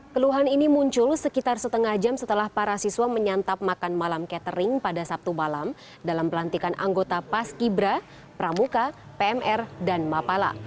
keluhan ini muncul sekitar setengah jam setelah para siswa menyantap makan malam catering pada sabtu malam dalam pelantikan anggota paski bra pramuka pmr dan mapala